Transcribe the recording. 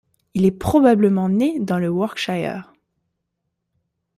Il est probablement né dans le Yorkshire.